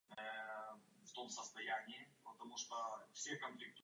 Dále jsou zde předškolní zařízení pro děti a náboženská základní škola.